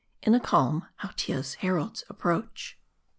IN A CALM, HAUTIA'S HERALDS APPROACH.